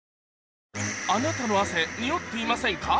あなたの汗におっていませんか？